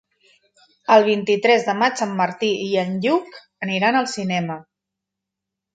El vint-i-tres de maig en Martí i en Lluc aniran al cinema.